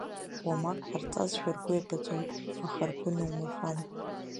Уамак ҟарҵазшәа ргәы иабаӡом, аха ргәы нумырхан!